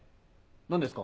何ですか？